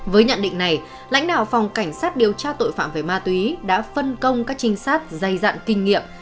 với nhận định này lãnh đạo phòng cảnh sát điều tra tội phạm về ma túy đã phân công các trinh sát dày dặn kinh nghiệm